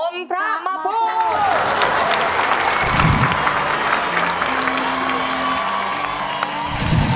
พระมาพูด